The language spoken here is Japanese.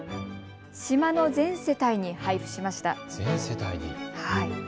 島の全世帯に配布しました。